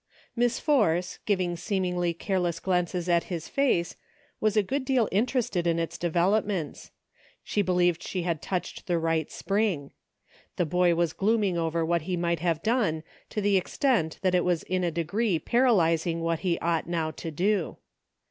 Miss Force, giving seemingly careless glances at his face, was a good deal interested in its developments ; she believed she had touched the right spring. The boy was glooming over what he might have done, to the extent that it was in a degree paralyzing what he ought now to do.